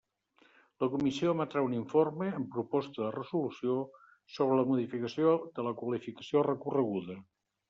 La comissió emetrà un informe, amb proposta de resolució, sobre la modificació de la qualificació recorreguda.